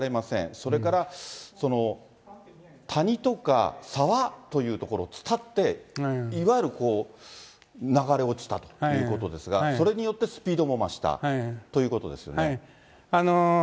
それから、谷とか、沢という所を伝って、いわゆる流れ落ちたっていうことですが、それによってスピードも増したということですよね？